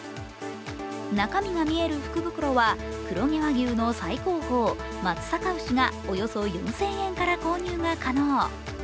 中身が見える福袋は黒毛和牛の最高峰、松阪牛がおよそ４０００円から購入が可能。